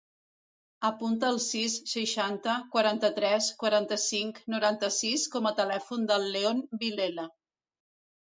Apunta el sis, seixanta, quaranta-tres, quaranta-cinc, noranta-sis com a telèfon del León Vilela.